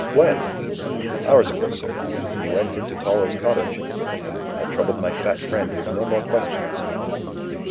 "When?" "Hours ago, sir when you went into Toller's cottage." I troubled my fat friend with no more questions.